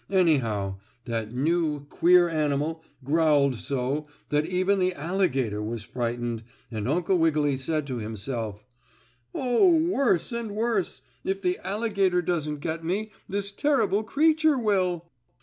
Anyhow, that new, queer animal growled so that even the alligator was frightened, and Uncle Wiggily said to himself: "Oh, worse and worse! If the alligator doesn't get me this terrible creature will!"